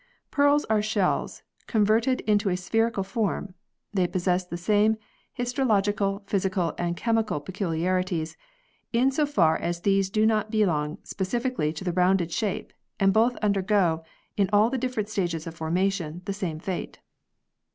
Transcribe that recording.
"Pearls are shells converted into a spherical form ; they possess the same histological, physical, and chemical peculiarities, in so far as these do not belong specially to the rounded shape, and both undergo, in all the different stages of formation, the same fate."